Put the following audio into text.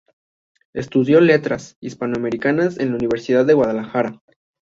Estudió Letras Hispanoamericanas en la Universidad de Guadalajara.